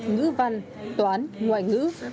ngữ văn toán ngoại ngữ